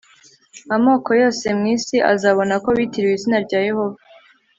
amoko yose yo mu isi azabona ko witiriwe izina rya yehova